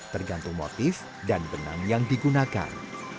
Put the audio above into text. tergantung motif dan benang yang digunakan